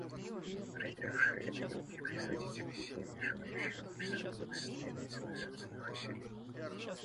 Проигравшие — это мелкие производители, семьи, желающие улучшить свое благосостояние ценой собственных усилий.